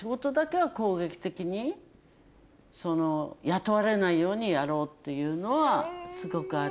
雇われないようにやろうというのはすごくある。